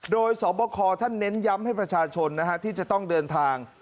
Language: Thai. โดยสอบคอท่านเน้นย้ำให้ประชาชนที่จะต้องเดินทาง